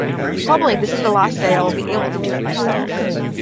Probably this is the last day I will be able to do it myself.